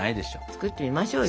作ってみましょうよ。